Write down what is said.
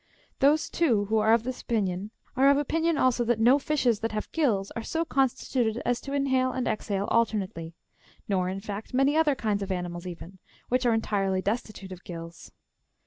Those, too, who are of this opinion are of opinion also that no fishes that have gills are so constituted as to inhale and exhale alternately, nor, in fact, many other kinds of animals even, which are entirely destitute of gills.